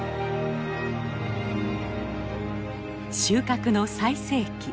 収穫の最盛期。